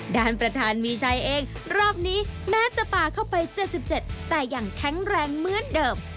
ด้านประธานมีชัยเองรอบนี้แม้จะป่าเข้าไป๗๗แต่ยังแข็งแรงเหมือนเดิม